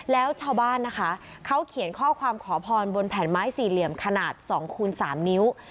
แล้วชาวบ้านนะคะเขาเขียนข้อความขอพรบนแผ่นไม้สี่เหลี่ยมขนาด๒คูณ๓นิ้ว